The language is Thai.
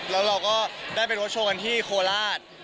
แล้วเราก็ได้ไปรถโชว์กันที่โคราช